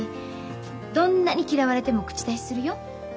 どんなに嫌われても口出しするよ。